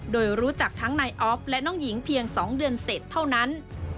โดยรู้จักทั้งนายออฟและน้องหญิงเพียง๒เดือนเสร็จเท่านั้น